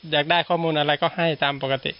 อยากได้ข้อมูลอะไรก็ให้ตามปกติ